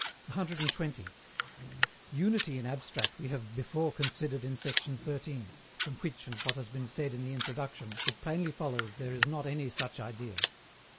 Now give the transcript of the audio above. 120. Unity in abstract we have before considered in sect. 13, from which and what has been said in the Introduction, it plainly follows there is not any such idea.